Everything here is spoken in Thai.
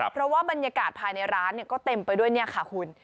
เพราะว่าบรรยากาศภายในร้านก็เต็มไปด้วยเนี่ยค่ะคุณ